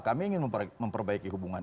kami ingin memperbaiki hubungan